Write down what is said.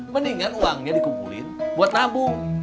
mendingan uangnya dikumpulin buat nabung